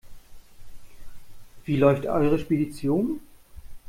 Wie läuft eure Spedition?